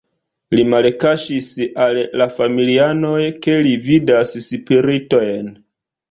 Li malkaŝis al la familianoj, ke li vidas spiritojn.